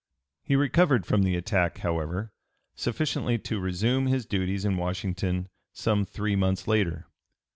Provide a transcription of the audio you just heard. He recovered from the attack, however, sufficiently to resume his duties in Washington some three months later.